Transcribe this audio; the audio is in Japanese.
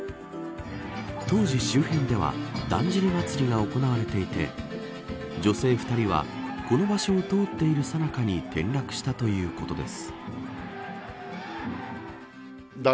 当時、周辺ではだんじり祭りが行われていて女性２人はこの場所を通っているさなかに転落したということです。